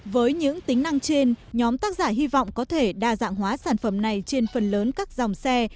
với những tính năng trên nhóm tác giả hy vọng có thể đa dạng hóa sản phẩm này trên phần lớn các dòng xe